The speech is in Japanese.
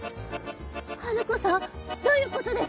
ハルコさん？どういうことですか？